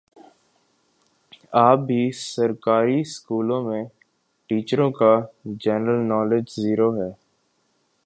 اب بھی سرکاری سکولوں میں ٹیچروں کا جنرل نالج زیرو ہے